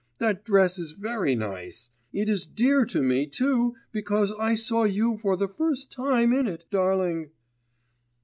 That dress is very nice.... It is dear to me too because I saw you for the first time in it, darling.